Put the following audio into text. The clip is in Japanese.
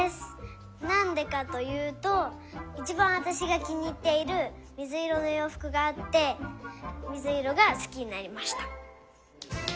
なんでかというといちばんわたしがきにいっているみずいろのようふくがあってみずいろがすきになりました。